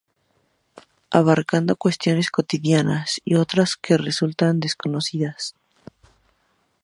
Abarcando cuestiones cotidianas y otras que resultan desconocidas.